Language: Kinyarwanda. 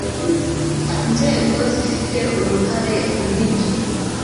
inzego zifite uruhare runini